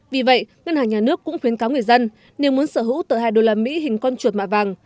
vì vậy ngân hàng nhà nước cũng khuyến cáo người dân nếu muốn sở hữu tờ hai đô la mỹ hình con chuột mạ vàng